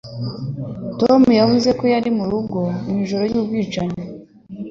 Tom yavuze ko yari mu rugo mu ijoro ry'ubwicanyi.